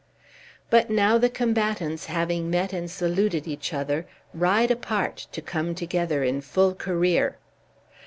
But now the combatants, having met and saluted each other, ride apart to come together in full career.